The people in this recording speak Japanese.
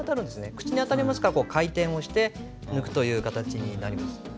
口にあたりますからこう回転をして抜くという形になります。